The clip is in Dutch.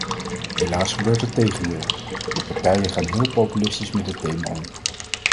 Helaas gebeurt het tegendeel, de partijen gaan heel populistisch met dit thema om.